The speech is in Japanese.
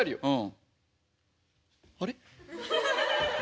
うん。